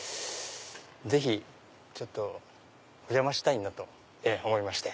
ぜひお邪魔したいと思いまして。